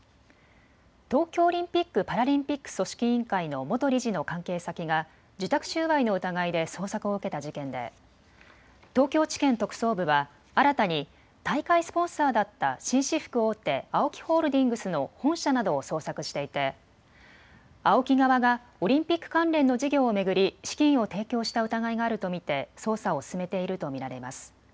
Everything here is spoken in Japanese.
東京オリンピック・パラリンピック組織委員会の元理事の関係先が受託収賄の疑いで捜索を受けた事件で東京地検特捜部は新たに大会スポンサーだった紳士服大手、ＡＯＫＩホールディングスの本社などを捜索していてＡＯＫＩ側がオリンピック関連の事業を巡り資金を提供した疑いがあると見て捜査を進めていると見られます。